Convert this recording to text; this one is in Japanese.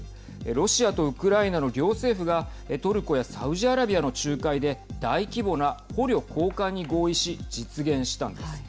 ロシアとウクライナの両政府がトルコやサウジアラビアの仲介で大規模な捕虜交換に合意し実現したんです。